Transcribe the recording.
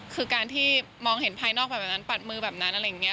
คือการที่มองเห็นภายนอกแบบนั้นปัดมือแบบนั้นอะไรอย่างนี้